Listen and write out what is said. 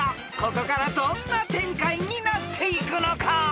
［ここからどんな展開になっていくのか？］